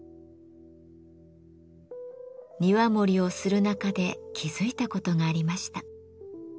庭守をする中で気付いたことがありました。